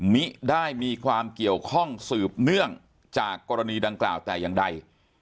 ไม่ได้มีความเกี่ยวข้องสืบเนื่องจากกรณีดังกล่าวแต่อย่างใด